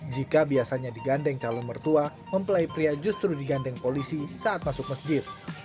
jika biasanya digandeng calon mertua mempelai pria justru digandeng polisi saat masuk masjid